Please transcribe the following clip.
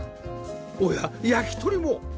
おや焼き鳥も！